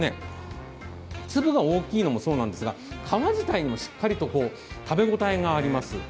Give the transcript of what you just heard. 粒が大きいのもそうなんですが、皮自体にもしっかりと食べ応えがあります